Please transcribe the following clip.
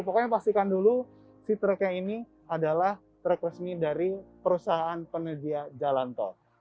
pokoknya pastikan dulu si truknya ini adalah truk resmi dari perusahaan penyedia jalan tol